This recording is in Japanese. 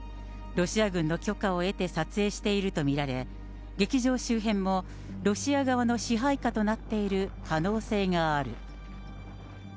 ロシア軍の許可を得て撮影していると見られ、劇場周辺も、ロシア側の支配下となっている可能性がある。